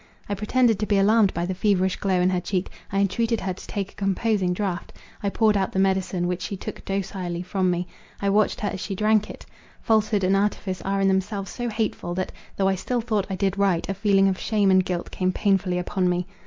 I pretended to be alarmed by the feverish glow in her cheek; I entreated her to take a composing draught; I poured out the medicine, which she took docilely from me. I watched her as she drank it. Falsehood and artifice are in themselves so hateful, that, though I still thought I did right, a feeling of shame and guilt came painfully upon me.